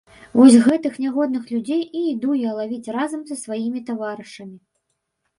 Вось гэтых нягодных людзей і іду я лавіць разам са сваімі таварышамі.